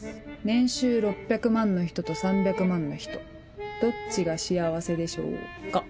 年収６００万の人と３００万の人どっちが幸せでしょうか？